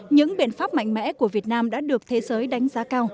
những biện pháp mạnh mẽ của việt nam đã được thế giới đánh giá cao